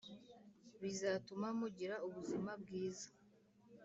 bizatuma mugira ubuzima bwiza.